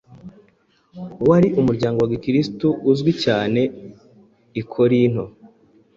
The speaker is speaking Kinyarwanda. wari umuryango wa Gikristo uzwi cyane i Korinto.